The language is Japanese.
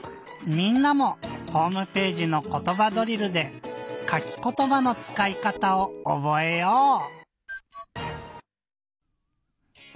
みんなもホームページの「ことばドリル」で「かきことば」のつかいかたをおぼえよう！